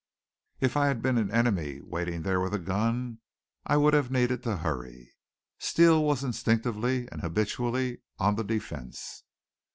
If I had been an enemy waiting there with a gun I would have needed to hurry. Steele was instinctively and habitually on the defense.